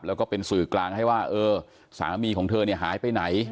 แล้วก็เป็นสื่อกลางให้ว่าเออสามีของเธอเนี่ยหายไปไหน